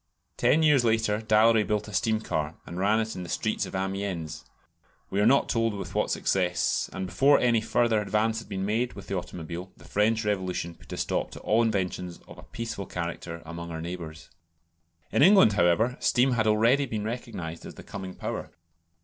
Ten years later Dallery built a steam car, and ran it in the streets of Amiens we are not told with what success; and before any further advance had been made with the automobile the French Revolution put a stop to all inventions of a peaceful character among our neighbours. In England, however, steam had already been recognised as the coming power.